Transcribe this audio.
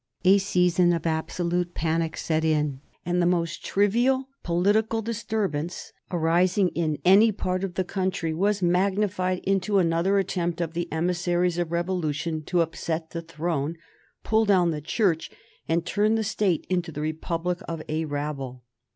A season of absolute panic set in and the most trivial political disturbance arising in any part of the country was magnified into another attempt of the emissaries of revolution to upset the Throne, pull down the Church, and turn the State into the republic of a rabble.